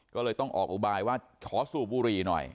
ก็เลยต้องออกอุบายว่าขอสูบบุหรี่หน่อย